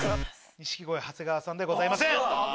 錦鯉・長谷川さんではございません。